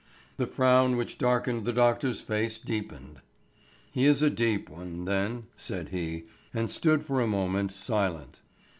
The frown which darkened the doctor's face deepened. "He is a deep one, then," said he, and stood for a moment silent.